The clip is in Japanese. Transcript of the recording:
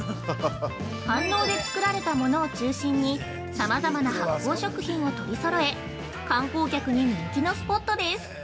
飯能で作られたものを中心にさまざまな発酵食品を取りそろえ観光客に人気のスポットです。